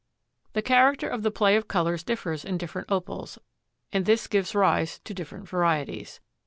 The character of the play of colors differs in different Opals, and this gives rise to different varieties.